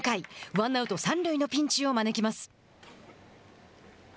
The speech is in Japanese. ワンアウト、三塁のピンチを招きます。